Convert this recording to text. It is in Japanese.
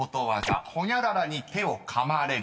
［「ホニャララに手を噛まれる」］